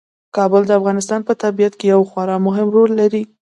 کابل د افغانستان په طبیعت کې یو خورا مهم رول لري.